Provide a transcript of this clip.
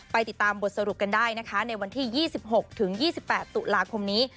ไปติดตามบทสรุปกันได้นะคะในวันที่๒๖๒๘ตุลาคมนี้